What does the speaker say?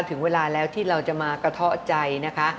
ถึงเวลาแล้วที่เราจะมากระเทาะใจนะคะ